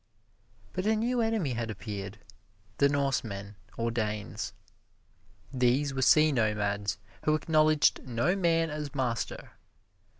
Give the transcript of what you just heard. But a new enemy had appeared the Norsemen or Danes. These were sea nomads who acknowledged no man as master.